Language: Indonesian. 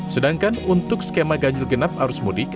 sedangkan untuk skema ganjil genap arus mudik